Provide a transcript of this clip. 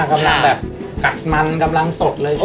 กำลังแบบกัดมันกำลังสดเลย